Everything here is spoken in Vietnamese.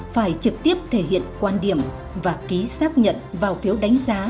phải trực tiếp thể hiện quan điểm và ký xác nhận vào phiếu đánh giá